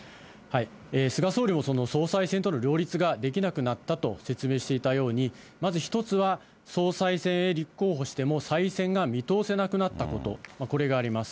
菅総理も総裁選との両立ができなくなったと説明していたように、まず１つは、総裁選へ立候補しても再選が見通せなくなったこと、これがあります。